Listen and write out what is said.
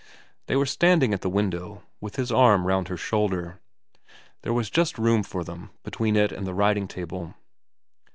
They were standing at the window, with his arm round her shoulder. There was just room for them between it and the writing table.